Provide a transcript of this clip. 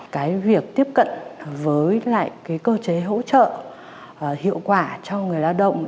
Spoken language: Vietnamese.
cái việc tiếp cận với lại cái cơ chế hỗ trợ hiệu quả cho người lao động